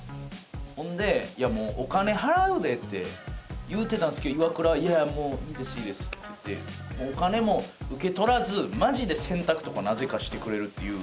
ほんでいやもうお金払うでって言うてたんですけどイワクラは「いやもういいですいいです」って言ってお金も受け取らずマジで洗濯とかなぜかしてくれるっていう。